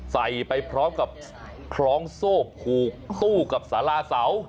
ไปพร้อมกับคล้องโซ่ผูกตู้กับสาราเสา